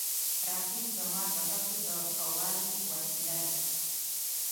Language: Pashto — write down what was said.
رقیب زما د هڅو د ښه والي وسیله ده